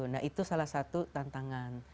nah itu salah satu tantangan